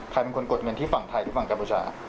ใครเป็นคนกดเงินที่ฝั่งไทยหรือฝั่งกัมพูชา